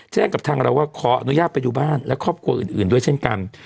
กับทางเราว่าขออนุญาตไปดูบ้านและครอบครัวอื่นด้วยเช่นกัน